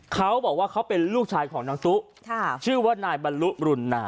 เขาบอกว่าเขาเป็นลูกชายของน้องตุ๊ชื่อว่านายบรรลุรุณา